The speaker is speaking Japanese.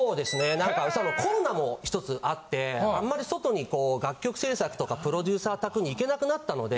なんかコロナもひとつあってあんまり外に楽曲制作とかプロデューサー宅に行けなくなったので。